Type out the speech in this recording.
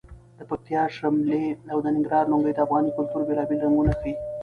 د پکتیا شملې او د ننګرهار لنګۍ د افغاني کلتور بېلابېل رنګونه ښیي.